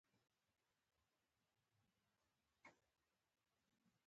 راتلونکي کې هم ترې د ښو تمه نه شي کېدای.